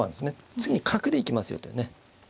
次に角で行きますよというね。